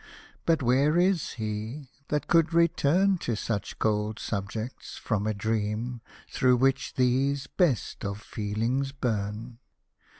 But where is he, that could return To such cold subjects from a dream, Through which these best of feelings burn